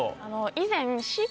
以前。